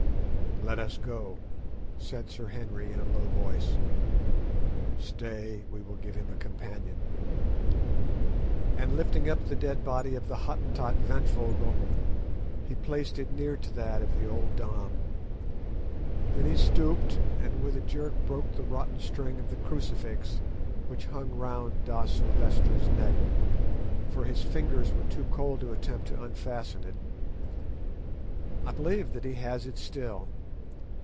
"Let us go," said Sir Henry in a low voice; "stay, we will give him a companion," and lifting up the dead body of the Hottentot Ventvögel, he placed it near to that of the old Dom. Then he stooped, and with a jerk broke the rotten string of the crucifix which hung round da Silvestra's neck, for his fingers were too cold to attempt to unfasten it. I believe that he has it still.